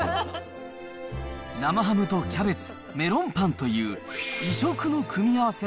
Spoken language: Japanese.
生ハムとキャベツ、メロンパンという、異色の組み合わせ。